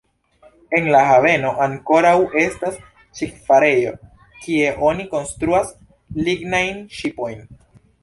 En la haveno ankoraŭ estas ŝipfarejo kie oni konstruas lignajn ŝipojn.